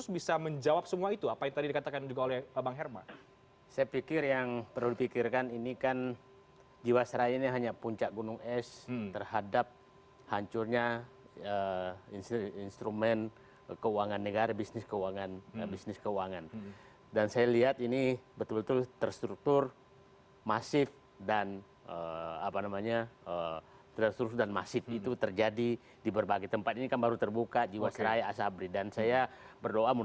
bisa menyelamatkan atau